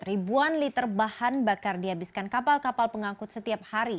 ribuan liter bahan bakar dihabiskan kapal kapal pengangkut setiap hari